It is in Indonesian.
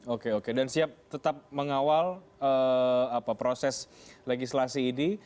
oke oke dan siap tetap mengawal proses legislasi ini